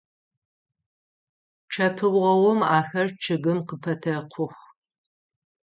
Чъэпыогъум ахэр чъыгым къыпэтэкъух.